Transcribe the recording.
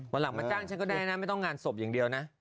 วันหลังมาจ้างฉันก็ได้นะไม่ต้องงานศพอย่างเดียวนะ